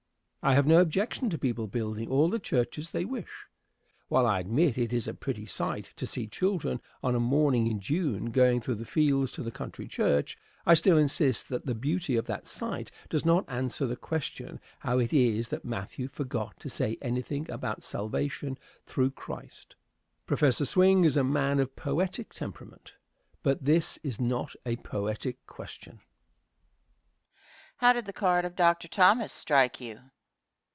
I have no objection to people building all the churches they wish. While I admit it is a pretty sight to see children on a morning in June going through the fields to the country church, I still insist that the beauty of that sight does not answer the question how it is that Matthew forgot to say anything about salvation through Christ. Prof. Swing is a man of poetic temperament, but this is not a poetic question. Question. How did the card of Dr. Thomas strike you?